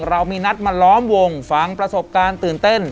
เรามีนัดมาล้อมวงฟังประสบการณ์ตื่นเต้น